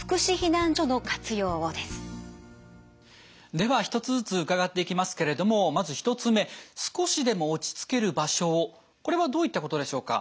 では１つずつ伺っていきますけれどもまず１つ目少しでも落ち着ける場所をこれはどういったことでしょうか？